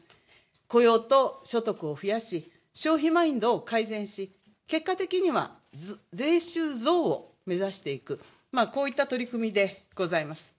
雇用と所得を増やし、消費マインドを改善し結果的には、税収増を目指していくこういった取り組みでございます。